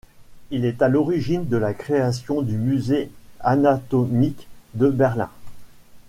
Il est à l’origine de la création du musée anatomique de Berlin.